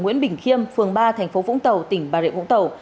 nguyễn bình khiêm phường ba tp vũng tàu tỉnh bà rịa vũng tàu